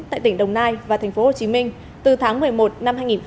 tại tỉnh đồng nai và tp hcm từ tháng một mươi một năm hai nghìn hai mươi